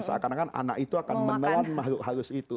seakan akan anak itu akan menelan makhluk halus itu